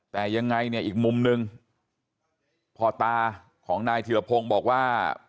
แต่ยังไงเนี่ยอีกมุมหนึ่งพ่อตาของนายธิรพงศ์บอกว่า